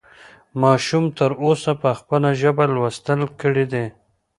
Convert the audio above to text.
ماشوم تر اوسه په خپله ژبه لوستل کړي دي.